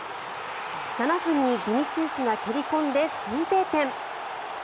７分にビニシウスが蹴り込んで先制点！